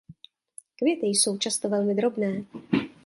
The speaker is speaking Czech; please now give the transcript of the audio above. Květy jsou často velmi drobné.